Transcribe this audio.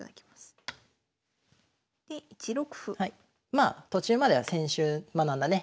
まあ途中までは先週学んだね